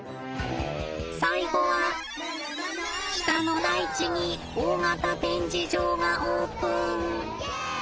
最後は北の大地に大型展示場がオープン。